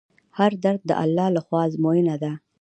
هر درد د الله له خوا ازموینه ده.